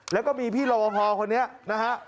แล้วก็มีพี่ลวงฮอล์คนนี้นะฮะ